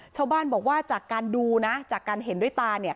ชาวบ้านบอกว่าจากการดูนะจากการเห็นด้วยตาเนี่ย